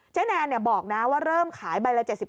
เจ๊นแนนเนี่ยบอกนะว่าเริ่มขายใบละ๗๙ไมยาตรีนะคะ